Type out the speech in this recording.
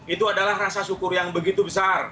itu adalah rasa syukur yang begitu besar